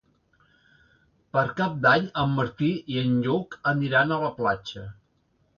Per Cap d'Any en Martí i en Lluc aniran a la platja.